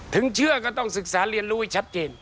เชื่อก็ต้องศึกษาเรียนรู้ให้ชัดเจน